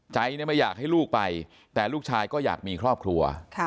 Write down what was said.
ใจไม่อยากให้ลูกไปแต่ลูกชายก็อยากมีครอบครัว